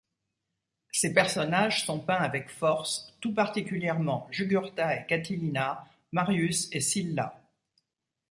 Ses personnages sont peints avec force, tout particulièrement Jugurtha et Catilina, Marius et Sylla.